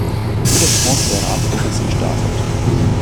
Tour de France der Radprofis gestartet.